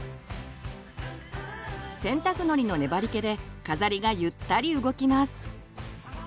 洗濯のりの粘りけで飾りがゆったり動きます。